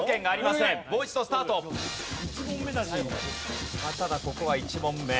まあただここは１問目。